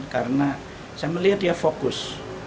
karena saya melihat dia fokus